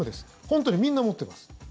本当にみんな持ってます。